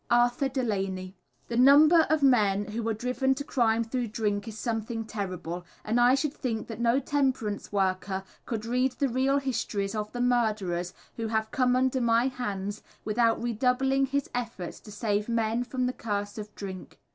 Arthur Delaney. The number of men who are driven to crime through drink is something terrible, and I should think that no temperance worker could read the real histories of the murderers who have come under my hands without redoubling his efforts to save men from the curse of drink.